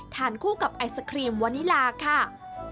ทานคู่กับไอศครีมวานิลาค่ะ